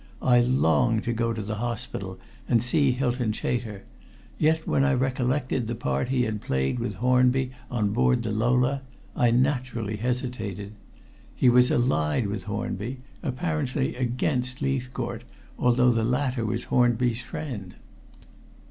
I longed to go to the hospital and see Hylton Chater, yet when I recollected the part he had played with Hornby on board the Lola, I naturally hesitated. He was allied with Hornby, apparently against Leithcourt, although the latter was Hornby's friend.